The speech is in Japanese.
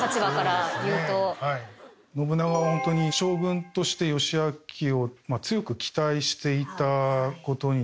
信長はホントに将軍として義昭を強く期待していた事になります。